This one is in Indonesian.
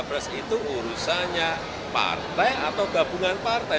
capres itu urusannya partai atau gabungan partai